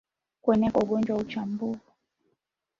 Kuenea kwa ugonjwa wa chambavu